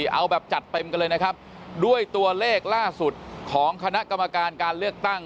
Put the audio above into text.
เอาแบบจัดเต็มกันเลยนะครับด้วยตัวเลขล่าสุดของคณะกรรมการการเลือกตั้ง